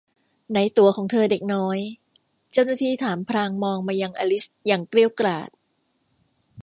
ไหนตั๋วของเธอเด็กน้อย เจ้าหน้าที่ถามพลางมองมายังอลิซอย่างเกรี้ยวกราด